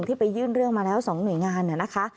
ไปยื่นเรื่องมาแล้ว๒หน่วยงานนะคะ